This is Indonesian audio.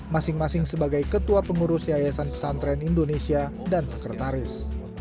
masing masing sebagai ketua pengurus yayasan pesantren indonesia dan sekretaris